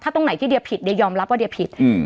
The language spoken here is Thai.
ถ้าตรงไหนที่เดี๋ยวผิดเดี๋ยวยอมรับว่าเดี๋ยวผิดอืม